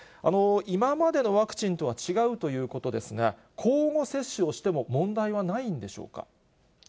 今までのワクチンとは違うということですが、交互接種をしても問題はないんでしょうか。